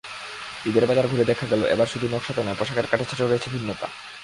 ঈদের বাজার ঘুরে দেখা গেল, এবার শুধু নকশাতে নয়, পোশাকের কাটছাঁটেও রয়েছে ভিন্নতা।